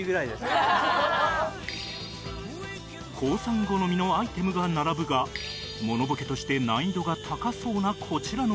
ＫＯＯ さん好みのアイテムが並ぶがモノボケとして難易度が高そうなこちらのお店